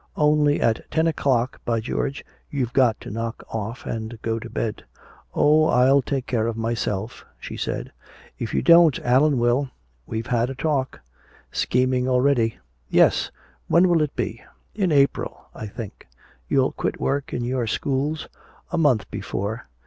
Only at ten o'clock, by George, you've got to knock off and go to bed." "Oh, I'll take care of myself," she said. "If you don't, Allan will. We've had a talk." "Scheming already." "Yes. When will it be?" "In April, I think." "You'll quit work in your schools?" "A month before."